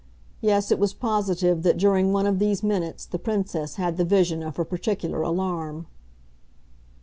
Yes, it was positive that during one of these minutes the Princess had the vision of her particular alarm.